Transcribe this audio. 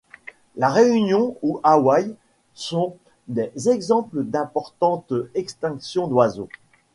La Réunion ou Hawaï sont des exemples d’importantes extinctions d’oiseaux.